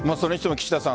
岸田さん